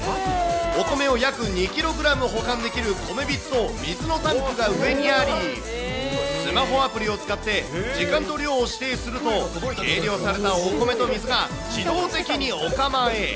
お米を約２キログラム保管できる米びつと水のタンクが上にあり、スマホアプリを使って、時間と量を指定すると、計量されたお米と水が自動的にお釜へ。